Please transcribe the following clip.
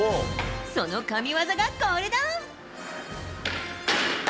その神技がこれだ。